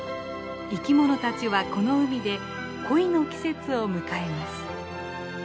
生き物たちはこの海で恋の季節を迎えます。